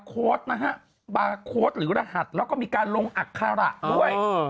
โค้ดนะฮะบาร์โค้ดหรือรหัสแล้วก็มีการลงอัคคาระด้วย